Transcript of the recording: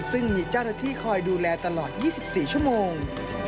ซึ่งมีจ้าทธิคอยดูแลตลอด๒๔ชั่วโมง